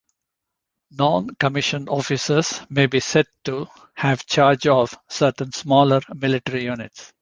Non-commissioned officers may be said to "have charge of" certain smaller military units.